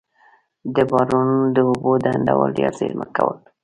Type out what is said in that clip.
د بارانونو د اوبو ډنډول یا زیرمه کول.